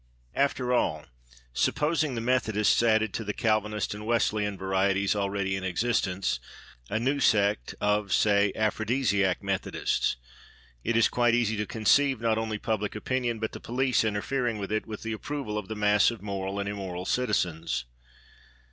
After all, supposing the Methodists added to the Calvinist and Wesleyan varieties already in existence a new sect of, say, Aphrodisiac Methodists, it is quite easy to conceive not only public opinion, but the police interfering with it with the approval of the mass of moral and immoral citizens.